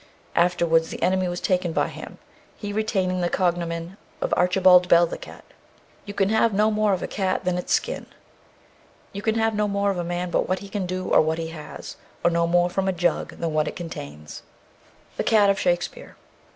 Afterwards the enemy was taken by him, he retaining the cognomen of "Archibald Bell the cat." You can have no more of a cat than its skin. You can have no more of a man but what he can do or what he has, or no more from a jug than what it contains. THE CAT OF SHAKESPEARE.